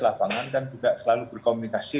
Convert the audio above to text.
lapangan kan juga selalu berkomunikasi